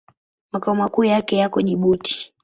Makao makuu yake yako Jibuti.